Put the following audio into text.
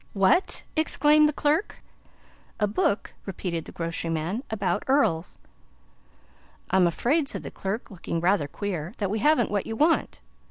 "What!" exclaimed the clerk. "A book," repeated the grocery man, "about earls." "I'm afraid," said the clerk, looking rather queer, "that we haven't what you want."